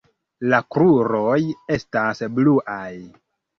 La kruroj estas bluaj.